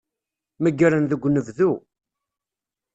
Meggren deg unebdu.